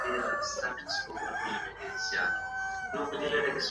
خپل ځان به په نويو مهارتونو کي ازمویئ.